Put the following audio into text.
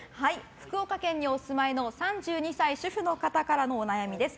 福岡県にお住まいの３２歳、主婦の方からのお悩みです。